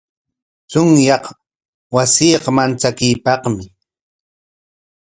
Chunyaq wasiqa manchakuypaqmi.